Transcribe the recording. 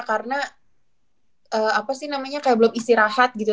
karena apa sih namanya kayak belum istirahat gitu